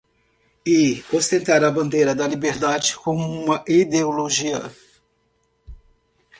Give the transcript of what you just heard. E ostentar a bandeira da liberdade como uma ideologia!